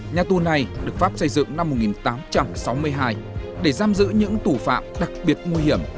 nhà tù này được pháp xây dựng năm một nghìn tám trăm sáu mươi hai để giam giữ những tù phạm đặc biệt nguy hiểm